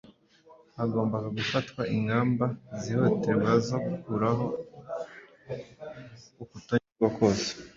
Hagombaga gufatwa ingamba zihutirwa zo gukuraho ukutanyurwa kose